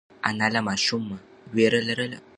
انا له ماشومه وېره لرله.